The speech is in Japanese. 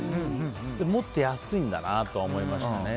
もっと安いんだなとは思いましたね。